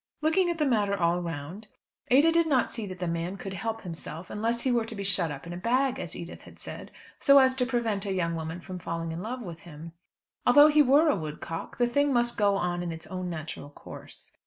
Looking at the matter all round, Ada did not see that the man could help himself unless he were to be shut up in a bag, as Edith had said, so as to prevent a young woman from falling in love with him. Although he were a "woodcock," the thing must go on in its own natural course.